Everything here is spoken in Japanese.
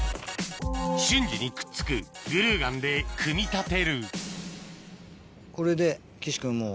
瞬時にくっつくグルーガンで組み立てるこれで岸君もう。